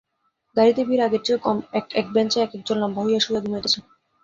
গাড়িতে ভিড় আগের চেয়ে কম-এক এক বেঞ্চে এক একজন লম্বা হইয়া শুইয়া ঘুমাইতেছে।